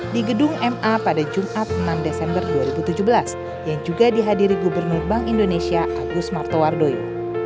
di gedung ma pada jumat enam desember dua ribu tujuh belas yang juga dihadiri gubernur bank indonesia agus martowardoyo